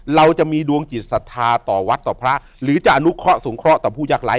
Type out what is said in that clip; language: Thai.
เราจะมีดวงจิตศรัทธาต่อวัดต่อพระหรือจะอนุเคราะห์สงเคราะห์ต่อผู้ยากไร้